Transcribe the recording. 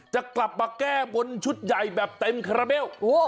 จะกลับมาแก้บนชุดใหญ่แบบเต็มคาราเบล